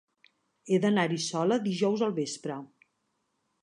He d'anar-hi sola dijous al vespre.